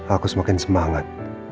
aku semakin semangat